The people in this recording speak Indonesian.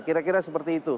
kira kira seperti itu